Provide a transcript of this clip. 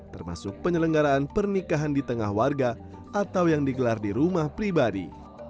termasuk penyelenggaraan pernikahan di tengah warga atau yang digelar di rumah pribadi